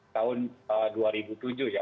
tahun dua ribu tujuh ya